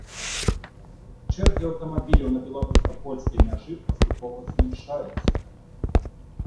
Чэргі аўтамабіляў на беларуска-польскай мяжы паступова змяншаюцца.